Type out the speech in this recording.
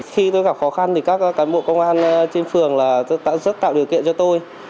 khi tôi gặp khó khăn thì các cán bộ công an trên phường đã rất tạo điều kiện cho tôi